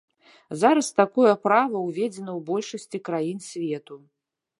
Зараз такое права ўведзена ў большасці краін свету.